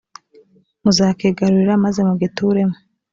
muzakigarurira maze mugituremo ..